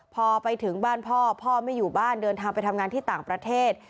พอไปถึงบ้านพ่อพ่อไม่อยู่บ้านเดินทางไปทำงานที่ต่างประเทศ